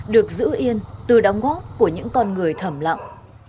được giữ yên từ đóng góp của những con người thầm lặng